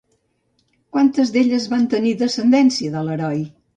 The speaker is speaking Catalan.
Quantes d'elles van tenir descendència de l'heroi?